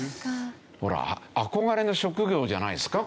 ほら憧れの職業じゃないですか？